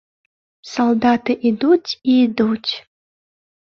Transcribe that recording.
Салдаты ідуць і ідуць.